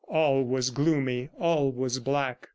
All was gloomy, all was black.